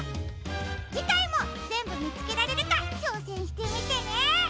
じかいもぜんぶみつけられるかちょうせんしてみてね！